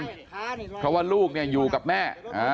เพราะว่าลูกอยู่กับแม่